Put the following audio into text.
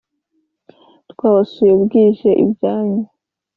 twabasu bije ibyanyu